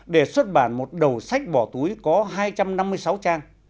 để xuất bản một đầu sách bỏ túi có hai trăm năm mươi sáu trang